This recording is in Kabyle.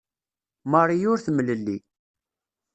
Marie ur temlelli.